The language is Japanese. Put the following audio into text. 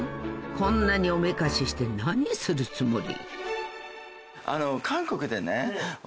こんなにおめかしして何するつもり？